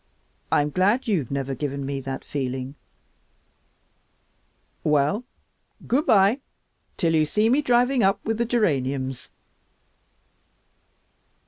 I'm glad you've never given me that feeling. Well, goodbye till you see me driving up with the geraniums."